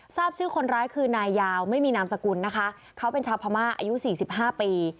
ทราบชื่อคนร้ายคือนายยาวไม่มีนามสกุลนะคะเขาเป็นชาวพม่าอายุ๔๕ปี